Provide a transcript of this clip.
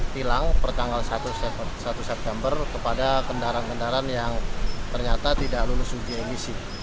tilang per tanggal satu september kepada kendaraan kendaraan yang ternyata tidak lolos uji emisi